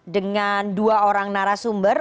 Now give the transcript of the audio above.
dengan dua orang narasumber